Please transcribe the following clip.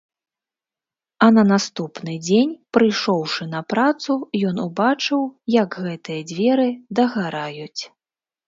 А на наступны дзень, прыйшоўшы на працу, ён убачыў, як гэтыя дзверы дагараюць.